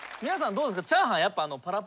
どうですか？